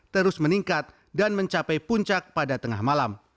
terus meningkat dan mencapai puncak pada tengah malam